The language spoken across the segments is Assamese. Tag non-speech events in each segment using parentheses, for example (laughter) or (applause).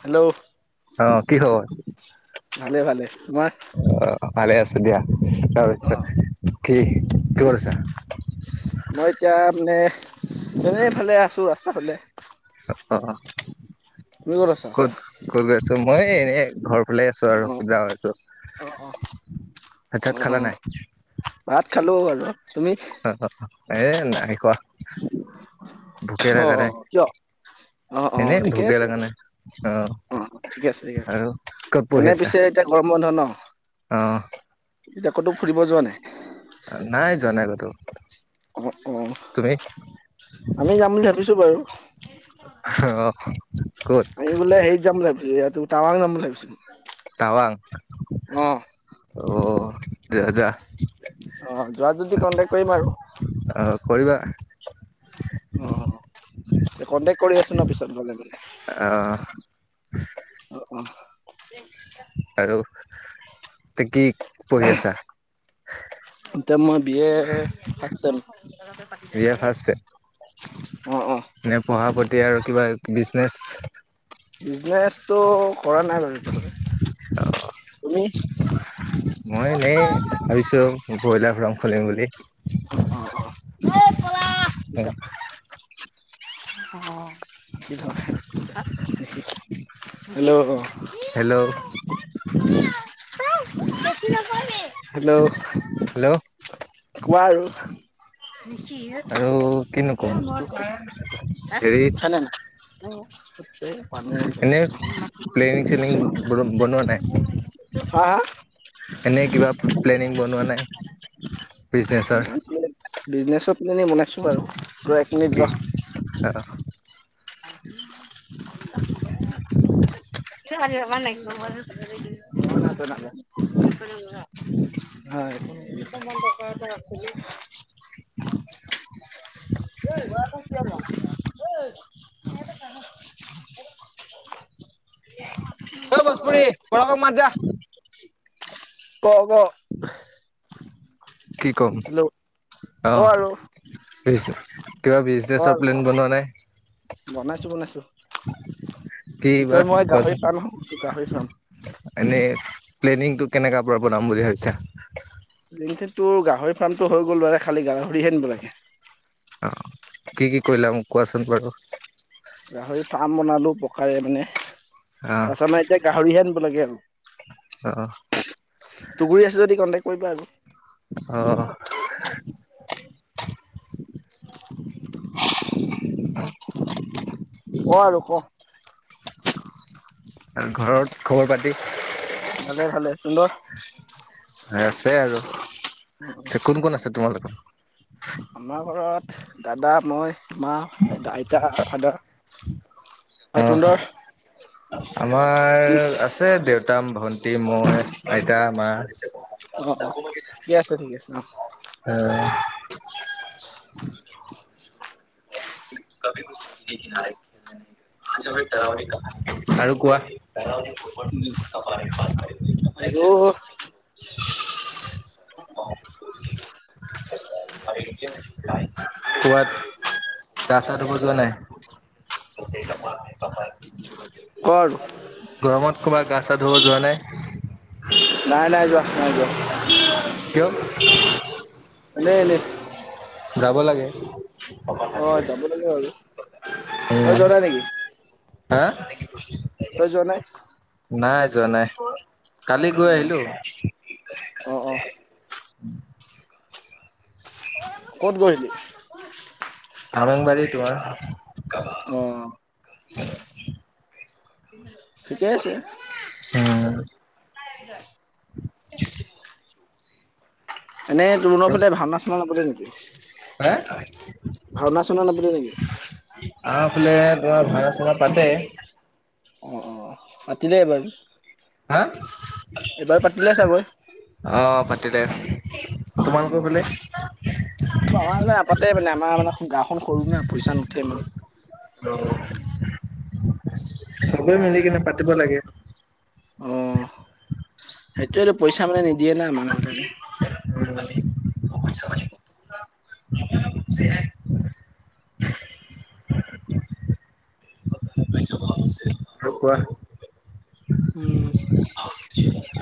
হেল্ল' অ', কি খবৰ? ভালে ভালে তোমাৰ অ ভাল আছ দিয় কি কিছা মই এতিয়া মানে এনেফালে আছোঁ ৰাস্তাৰ ফালে অ অ তুমি ক'ত আছা ক'ত ক'ত গৈছো মই এনেই ঘৰ ফালে আছো আৰু অ সুবিধা হৈছো অ অ অ খালা নাই? ভাত খালো বাৰু তুমি এ কোৱা অ কিয় অ অ এনে ঠিকেই ভোকে আছে ব লগা নাই। অ ঠিকে আছে ঠিক আছে আৰু ক'ত পঢ়ি এনে আছা? পিছে এতিয়া গৰম বন্ধ ন অ এতিয়া ক'তো ফুৰিব যোৱা নাই নাই জনাই কতো অ অ তুমি? আমি যাম বুলি ভাবিছো বাৰু অ ক'ত? এই বোলে সেইত যাম ভাবিছিলো ইহো টান যাম বুলি ভাবিছিলো তাৱাং উম অ যা যা অ যোৱা যদি কন্টেক্ট কৰিম আৰু অ কৰিবা অ কণ্টেক্ট কৰি আছো ন পিছত গলে গলে অ', অ অ আৰু কি পঢ়ি আছা এতিয়া মই বি এ আ বি এ অ অ এনে পঢ়া প্ৰতি আৰু কিবা বিজনেচ বিজনেচটো কৰা নাই বাৰু এতিয়া লৈকে, তুমি মই এনেই ভাবিছো বইলাৰ ফ্ৰ্ম খুলিম বুলি (unintelligible) উম অ হেল্ল' হেল্ল' হেল্ল' হেল্ল'। কোৱা আৰু। আৰু কিনো ক'ম হেৰি (inaudible) এনে প্লেনিং চেনিং (inaudible) বনোৱা নাই? হা হা? এনে কিবা প্লেনিং বনোৱা নাই বিজনেচৰ? বিজনেছৰ পেলনি বনাইছোঁ বাৰু ৰহ এক মিনিট ৰহ। (inaudible) (inaudible) (inaudible) (unintelligible) হয় (unintelligible) (inaudible) এই মই আকৌ কিয় যাম। অই (unintelligible) অ', ভসপুৰি (unintelligible) মাত যা। ক' ক'। কি কম? ক অ', আৰু কিবা ক বিজনেচৰ আৰু ক প্লেন বনোৱা নাই? বনাইছো বনাইছো। কি কয় মই গাহৰি ফাৰ্ম এখনো খুলিছো গাহৰি ফাৰ্ম। এনেই প্লেনিংটো কেনেকা পৰা বনাম বুলি ভাবছা? (unintelligible) গাহৰি ফাৰ্মটো হৈ গ'লে খালি গাহৰি হে আনিব লাগে। অ', কি কি কৰিলা মোক কোৱাচোন বাৰু। গাহৰি ফাৰ্ম বনালো পকাৰে মানে। অ তাৰপিছত এতিয়া গাহৰিহে আনিব লাগে আৰু। অহ। তুুকুৰী আছে যদি কন্টেক কৰিবা আকৌ। অ'। ক আৰু ক। ঘৰত খবৰ পাতি? ভালে ভালে সুন্দৰ। আছে আৰু, কোন কোন আছে তোমালোকৰ? আমাৰ ঘৰত দাদা, মই, মা, আইতা, ফাদাৰ। আৰু অহ। তুন্দৰ আমাৰ আছে দেউতা, ভন্টি, মই, আইতা, মা আছে। অ', অ', ঠিক আছে ঠিকে আছে অহ। অ'। আৰু কোৱা! (inaudible) আৰু (inaudible) ক'বাত গা ছা ধুব যোৱা নাই? (inaudible) গৰমত ক'বাত গা চা ধুব যোৱা নাই? নাই নাই যোৱা নাই যোৱা কিয়? এনে এনে। যাব লাগে। অ' যাব লাগে আৰু তই উম, যোৱা নাই নেকি হা? তই যোৱা নাই নাই যোৱা নাই কালি গৈ অ' আহিলো। অ', অ'। ক'ত গৈছিলি? চাৰংবাৰী তোমাৰ। ঠিকেই আছে। উম। (unintelligible) (inaudible) এনে (unintelligible) ফালে ভাওনা চুনা নাপাতে নেকি, হে ভাওনা চাওনা নাপাতে নেকি। আমাৰ ফালে তোমাৰ ভাওনা চাওনা পাতে। অ' পাতিলে বাৰু। হা? এইবাৰ পাতিলে চাগৈ। অ' পাতিলে, অ' তোমালোকৰ ফালে? (unintelligible) মানে আমাৰ মানে গাঁওখন সৰু না পইচা নুঠে মানে। (unintelligible) (unintelligible) চবে মিলি কিনে পাতিব লাগে। অ' সেইটোৱেতো পইচা মানে নিদিয়ে নাই মানুহবিলাকে। (unintelligible) (unintelligible) (unintelligible) (unintelligible) (unintelligible) উম।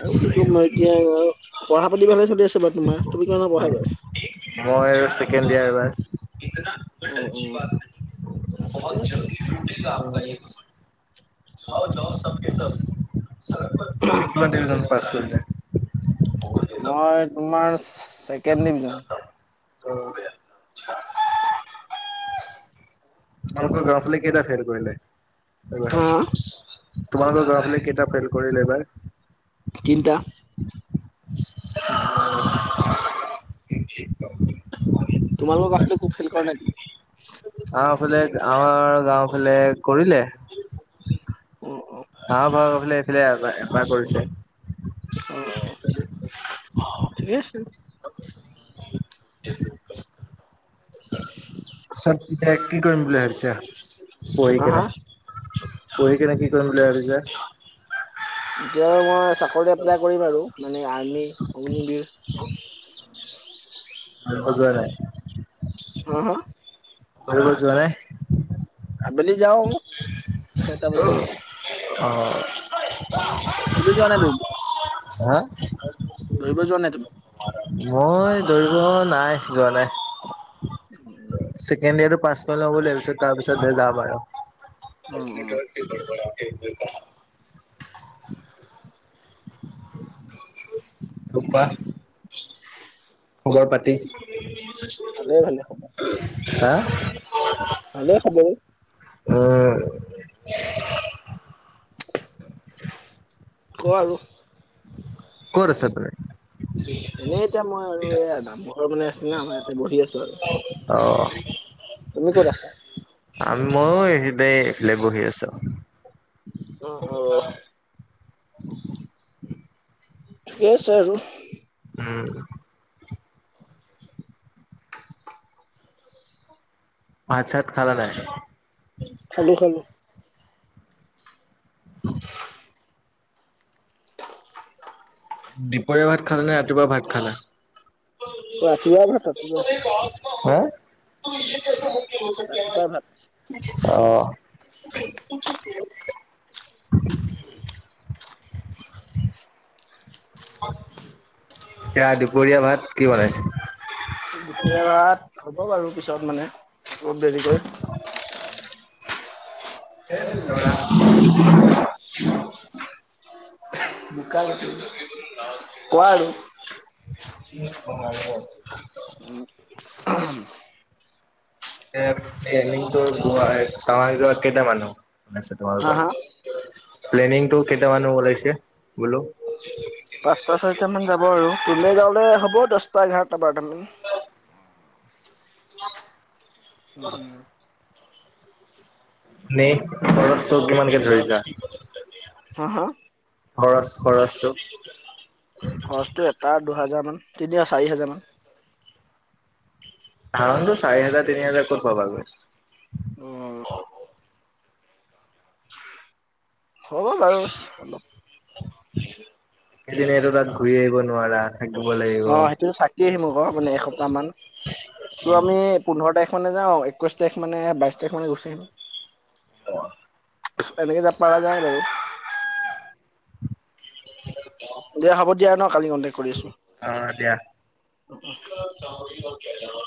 আৰু কি ক'ম আৰু এতিয়া পঢ়া পাতি ভালে চলি আছে বাৰু তোমাৰ কি মানত পঢ়া এইবাৰ। মই আৰু ছেকেণ্ড ইয়াৰ এবাৰ। উম উম ঠিকে আছে (unintelligible) (unintelligible) মই তোমাৰ ছেকেণ্ড ডিভিজন। তোমালোকৰ গাঁওৰ ফালে কেইটা ফেইল কৰিলে এইবাৰ। হা তোমালোকৰ গাওঁৰ ফালে কেইটা ফেইল কৰিলে এইবাৰ। তিনিটা। (unintelligible) তোমালোকৰ (unintelligible) ফালে একো ফেইল কৰা নাই। আমাৰ ফালে আমাৰ গাওঁ ফালে কৰিলে। অ', অ'। (unintelligible) এবাৰ এবাৰ কৰিছে। অ' ঠিকে আছে। (unintelligible) (inaudible) (unintelligible) এতিয়া কৰিম বুলি ভাবিছা, পঢ়ি হা কিনে। হা পঢ়ি কিনে কি কৰিম বুলি ভাবিছা? এতিয়া মই চাকৰি এপ্লাই কৰিম আৰু মানে আৰ্মি, অগ্নিবিৰ। (unintelligible) হম, হম। বাকী ক'তো যোৱা নাই। আবেলি যাওঁ। ছয়টা বজা মানত (unintelligible) অ'। তুমি যোৱা নাই দৌৰিব, হা দৌৰিব যোৱা নাই তুমি? মই দৌৰিব নাই যোৱা নাই। (inaudible) ছেকেণ্ড ইয়াৰটো পাছ কৰি ল'ব লাগিব, পিছত তাৰ পিছতহে যাম আৰু। অ অ (unintelligible) (unintelligible) (unintelligible) খবৰ-পাতি ভালে ভালে খবৰ, ভালে খবৰ। উম। ক আৰু। ক'ত আছা তই? এনেই এতিয়া মই আৰু এয়া নামঘৰ বনাই আছে না আমাৰ ইয়াতে বহি আছো অ আৰু। তুমি ক'ত আছা? আ ময়ো এই দে বহি আছো। অহ অহ। ঠিকেই আছে আৰু। উম। পাত-চাত খালা নাই? খালো খালো। (unintelligible) দিপৰীয়াৰ ভাত খালা নে ৰাতিপুৱা ভাত খালে? ৰাতিপুৱা ভাত ৰাতিপুৱা হ ৰাতিপুৱা ভাত (unintelligible) আহ। এতিয়া দুপৰীয়া ভাত কি বনাইছে? দুপৰীয়া ভাত হ'ব বাৰু পিছত মানে অলপ দেৰিকৈ। (unintelligible) (unintelligible) (unintelligible) কোৱা আৰু (unintelligible) (unintelligible) কেইটা মানুহ আছে তোমাৰ হা হা ঘৰত? প্লেনিংটো কেইটা মানুহ ওলাইছে বোলো? পাঁচটা ছাৰিটামান যাব আৰু, তোলৈ যাওঁলে হ'ব দহটা এঘাৰটা বাৰটামান। (unintelligible) (unintelligible) খৰচটো কিমান কে ধৰিছা? হা হা খৰচ খৰচটো? খৰচটো এটা দুহাজাৰ মান, তিনিটা চাৰি হাজাৰ মান। (unintelligible) চাৰি হাজাৰ তিনি হাজাৰ ক'ত পাব গৈ। উম। (inaudible) হ'ব বাৰু অলপ সেইদিনেটো তাত ঘূৰি আহিব নোৱাৰা। (unintelligible) অ সেইটোতো থাকি আহিমক মানে এসপ্তাহ মান। ত' আমি পোন্ধৰ তাৰিখ মানোওঁ, একৈশ তাৰিখ মানে বাইশ তাৰিখ মানে গুচি আহিম। অ। (unintelligible) দিয়া হ'ব দিয়া ন কালি কণ্টেক্ট কৰি আছোঁ। (unintelligible) অ দিয়া। (unintelligible)